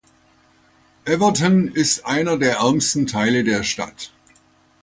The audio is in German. Everton ist einer der ärmsten Teile der Stadt.